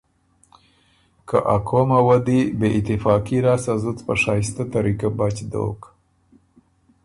که ا قومه وه دی بې اتفاقي لاسته زُت په شائسته طریقه بچ دوک،